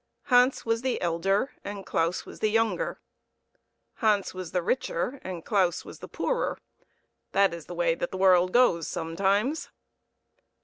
Hans was the elder and Claus was the younger; Hans was the richer and Claus was the poorer that is the way that the world goes sometimes.